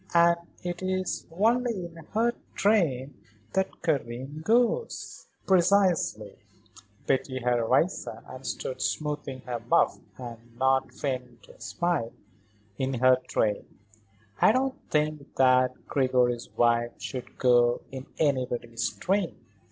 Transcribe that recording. And it is only in her train that Karen goes." "Precisely." Betty had risen and stood smoothing her muff and not feigning to smile. "In her train. I don't think that Gregory's wife should go in anybody's train."